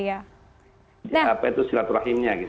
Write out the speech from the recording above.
apa itu silaturahimnya